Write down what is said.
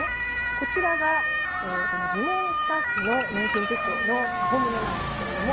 こちらがギモンスタッフの年金手帳の本物なんですけれども。